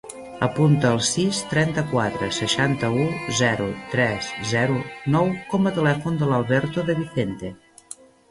Apunta el sis, trenta-quatre, seixanta-u, zero, tres, zero, nou com a telèfon de l'Alberto De Vicente.